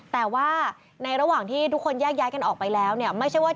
แต่ว่าในระหว่างที่ทุกคนแยกย้ายกันออกไปแล้วเนี่ยไม่ใช่ว่า